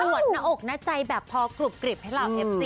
วดหน้าอกหน้าใจแบบพอกรุบกริบให้เราเอฟซี